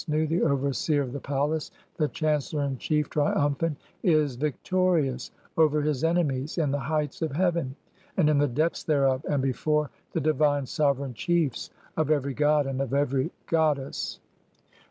And the Osiris Nu, the overseer of the palace, the "chancellor in chief, (i3) triumphant, is victorious over his ene "mies in the heights of heaven, and in the depths thereof, and "before the divine sovereign chiefs of every god and of every "goddess."